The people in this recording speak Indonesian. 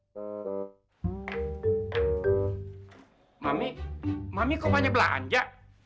mami mami kok banyak belanja